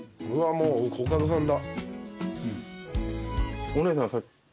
もうコカドさんだ。